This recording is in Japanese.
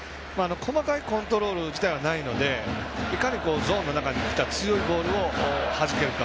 細かいコントロール自体はないのでいかにゾーンの中にきた強いボールをはじけるか。